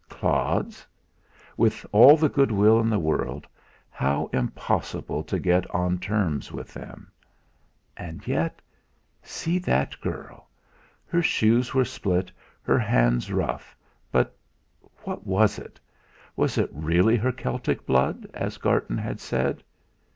Clods? With all the good will in the world, how impossible to get on terms with them! And yet see that girl! Her shoes were split, her hands rough; but what was it? Was it really her Celtic blood, as Garton had said?